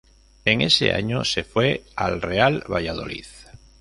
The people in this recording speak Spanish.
En ese año se fue al Real Valladolid.